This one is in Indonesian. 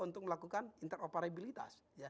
untuk melakukan interoperabilitas